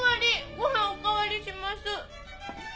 ご飯お代わりします！